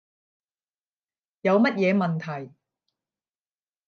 有乜嘢問題